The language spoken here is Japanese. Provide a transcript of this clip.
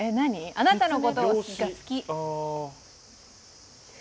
あなたのことが好き。